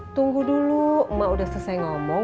tunggu dulu emak udah selesai ngomong